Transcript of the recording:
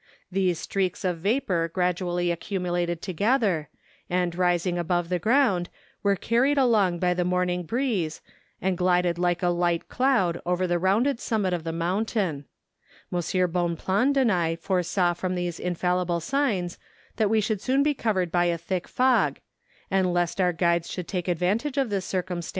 These streaks of vapour gradually accumulated together, and rising above the ground, were carried along by the morn¬ ing breeze, and glided like a light cloud over the rounded summit of the mountain. M. Bonpland and I foresaw from these infallible signs that we should soon be covered by a thick fog, and lest our guides should take advantage of this circumstance 284 MOliNTAIN ADVENTUEES.